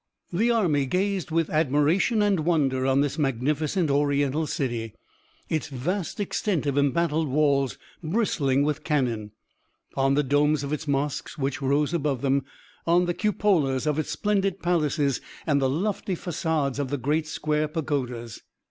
The army gazed with admiration and wonder on this magnificent Oriental city, its vast extent of embattled walls bristling with cannon, on the domes of its mosques which rose above them, on the cupolas of its splendid palaces and the lofty facades of the great square pagodas.